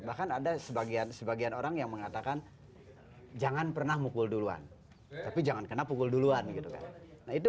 bahkan ada sebagian orang yang mengatakan jangan pernah mukul duluan tapi jangan kena pukul duluan gitu kan